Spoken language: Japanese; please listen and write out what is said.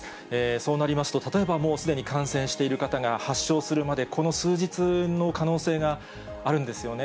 そうなりますと、例えばもうすでに感染している方が発症するまで、この数日の可能性があるんですよね。